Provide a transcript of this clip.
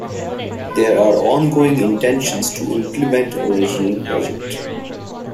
There are ongoing intentions to implement original project.